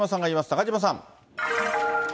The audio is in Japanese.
中島さん。